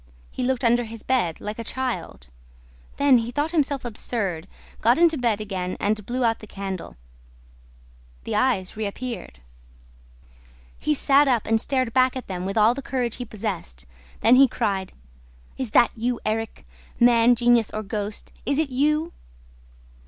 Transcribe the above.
He looked under his bed, like a child. Then he thought himself absurd, got into bed again and blew out the candle. The eyes reappeared. He sat up and stared back at them with all the courage he possessed. Then he cried: "Is that you, Erik? Man, genius, or ghost, is it you?"